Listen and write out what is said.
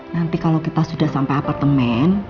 nanti kalau kita sudah sampai apartemen